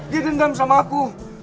dia dendam sama aku